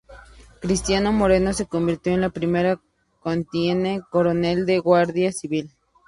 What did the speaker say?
Cristina Moreno se convirtió en la primera teniente coronel de la Guardia Civil.